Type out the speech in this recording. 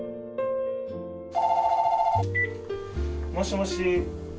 ☎もしもし？